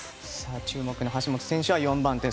注目の橋本選手は４番手。